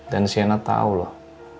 dan si ena tau loh